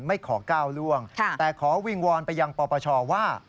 ไม่ขอก้าวล่วงแต่ขอวิงวอนไปยังปปชว่า